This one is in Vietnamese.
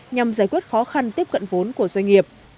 nhằm giải quyết khó khăn tiếp cận vốn của doanh nghiệp